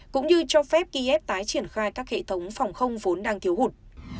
cũng như cho phép kiev tái triển khai các hệ thống phòng không vốn đang thiếu hụt